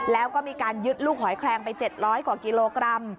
แล้วก็มีการยึดลูกหอยแคลงไป๗๐๐กว่ากิโลกรัม